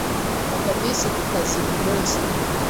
Mfata bisi kukazi buri munsi.